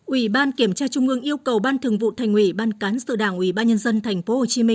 ủy ban kiểm tra trung ương yêu cầu ban thường vụ thành ủy ban cán sự đảng ủy ban nhân dân tp hcm